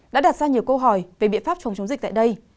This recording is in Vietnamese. đã đặt ra nhiều câu hỏi về biện pháp phòng chống dịch tại đây